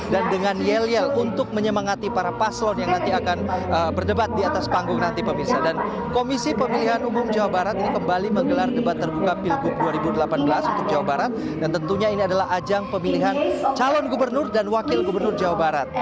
dan tentunya ini adalah ajang pemilihan calon gubernur dan wakil gubernur jawa barat